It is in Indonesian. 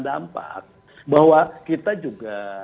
dampak bahwa kita juga